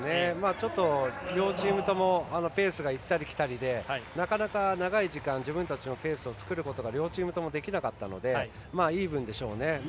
ちょっと、両チームともペースが行ったり来たりでなかなか長い時間、自分たちのペースを作ることが両チームともできなかったのでイーブンでしょうね。